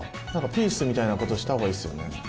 ピースみたいなことした方がいいっすよね。